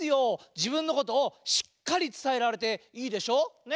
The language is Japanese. じぶんのことをしっかりつたえられていいでしょ？ね？